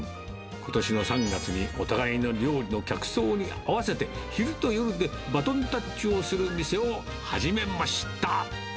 ことしの３月にお互いの料理の客層に合わせて、昼と夜でバトンタッチをする店を始めました。